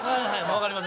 わかります